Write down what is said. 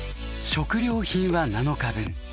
食料品は７日分。